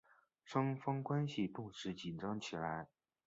双方关系顿时紧张起来。